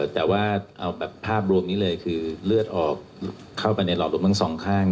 แต่ว่าเอาแบบภาพรวมนี้เลยคือเลือดออกเข้าไปในหลอดลมทั้งสองข้าง